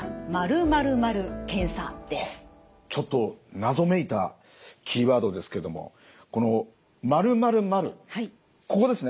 ちょっと謎めいたキーワードですけどもこの○○○ここですね？